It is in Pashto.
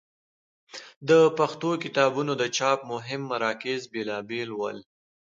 د پښتو کتابونو د چاپ مهم مراکز بېلابېل ول.